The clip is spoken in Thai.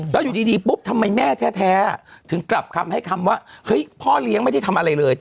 แล้วอยู่ดีปุ๊บทำไมแม่แท้ถึงกลับคำให้คำว่าเฮ้ยพ่อเลี้ยงไม่ได้ทำอะไรเลย